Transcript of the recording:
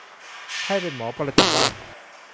ให้เป็นหมอประจำบ้าน